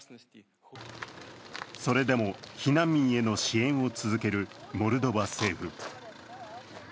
それでも避難民への支援を続けるモルドバ政府。